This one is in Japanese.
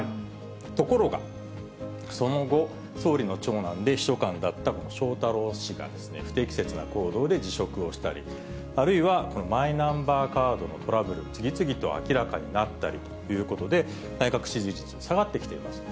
ところが、その後、総理の長男で秘書官だった翔太郎氏が不適切な行動で辞職をしたり、あるいはこのマイナンバーカードのトラブル、次々と明らかになったりということで、内閣支持率下がってきています。